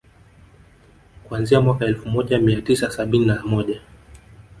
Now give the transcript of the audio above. Kuanzia mwaka elfu moja mia tisa sabini na moja